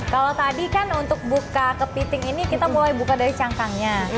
kalau tadi kan untuk buka kepiting ini kita mulai buka dari cangkangnya